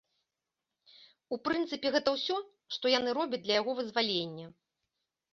У прынцыпе, гэта ўсё, што яны робяць для яго вызвалення.